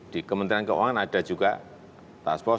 di kementerian keuangan ada juga task force